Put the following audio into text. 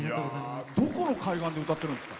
どこの海岸で歌ってるんですか？